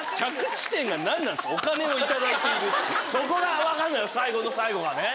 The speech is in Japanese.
そこが分かんない最後の最後がね。